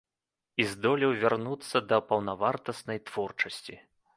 І здолеў вярнуцца да паўнавартаснай творчасці.